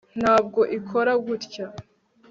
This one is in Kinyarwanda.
ntabwo ikora gutya